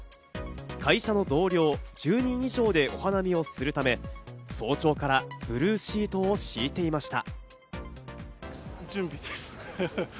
会社の同僚１０人以上でお花見をするため、早朝からブルーシートを敷いていました。